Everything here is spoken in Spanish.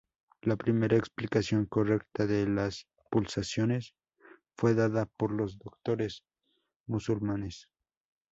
La primera explicación correcta de las pulsaciones fue dada por los doctores musulmanes.